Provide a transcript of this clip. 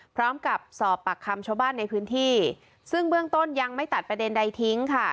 พร้อมกับสอบปากคำชาวบ้านในพื้นที่ซึ่งเบื้องต้นยังไม่ตัดประเด็นใดทิ้งค่ะ